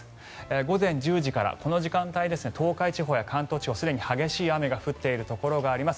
午前１０時から、この時間帯東海地方や関東地方ですでに激しい雨が降っているところがあります。